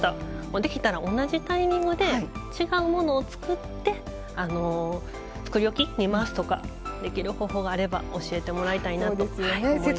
できたら同じタイミングで違うものを作って作り置きに回すとかできる方法があれば教えてもらいたいなと思います。